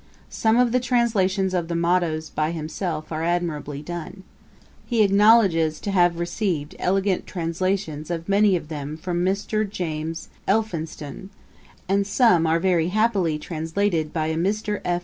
Some of the translations of the mottos by himself are admirably done. He acknowledges to have received 'elegant translations' of many of them from Mr. James Elphinston; and some are very happily translated by a Mr. _F.